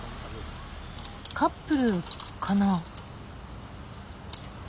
カップルかな？